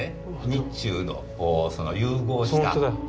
日中のその融合した。